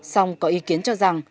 xong có ý kiến cho rằng